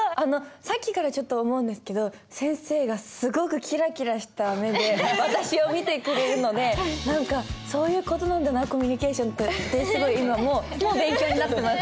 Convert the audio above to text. さっきからちょっと思うんですけど先生がすごくキラキラした目で私を見てくれるので何か「そういう事なんだなコミュニケーションって」ってすごい今もう勉強になってます。